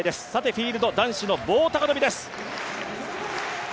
フィールド、男子の棒高跳です。